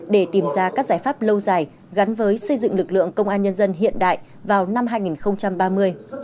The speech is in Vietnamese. để tìm ra các giải pháp lâu dài gắn với xây dựng lực lượng công an nhân dân hiện đại vào năm hai nghìn ba mươi